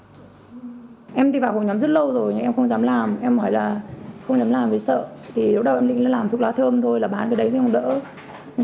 không dám làm vì sợ thì lúc đầu em định làm thuốc lái thơm thôi là bán cái đấy thì không đỡ